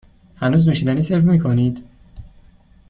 هنوز نوشیدنی سرو می کنید؟